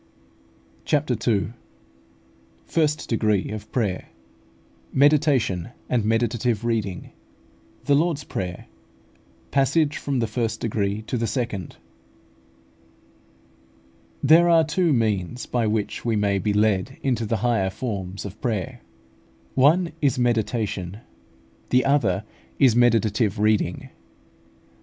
CHAPTER II. FIRST DEGREE OF PRAYER MEDITATION AND MEDITATIVE READING THE LORD'S PRAYER PASSAGE FROM THE FIRST DEGREE TO THE SECOND. There are two means by which we may be led into the higher forms of prayer. One is Meditation, the other is Meditative Reading.